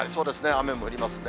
雨も降りますんで。